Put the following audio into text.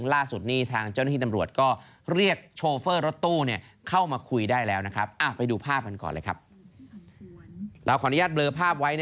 เราขออนุญาตเบลอภาพไว้นะครับ